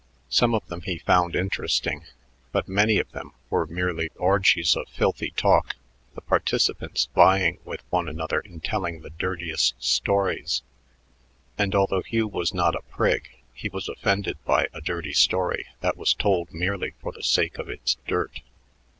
Some of them he found interesting, but many of them were merely orgies of filthy talk, the participants vying with one another in telling the dirtiest stories; and although Hugh was not a prig, he was offended by a dirty story that was told merely for the sake of its dirt.